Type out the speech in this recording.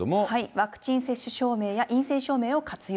ワクチン接種証明や陰性証明を活用。